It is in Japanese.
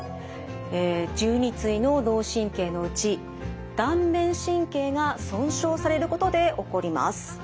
１２対の脳神経のうち顔面神経が損傷されることで起こります。